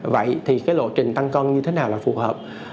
vậy thì cái lộ trình tăng công như thế nào là phù hợp